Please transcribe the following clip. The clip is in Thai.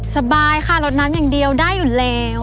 สบายค่ะลดน้ำอย่างเดียวได้อยู่แล้ว